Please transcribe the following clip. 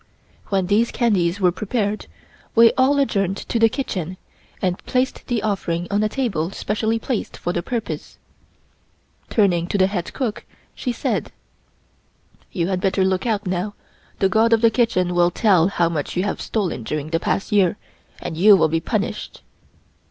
When these candies were prepared, we all adjourned to the kitchen and placed the offering on a table specially placed for the purpose. Turning to the head cook, she said: "You had better look out now; the God of the Kitchen will tell how much you have stolen during the past year, and you will be punished."